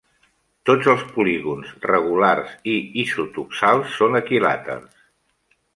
Tots els polígons regulars i isotoxals són equilàters.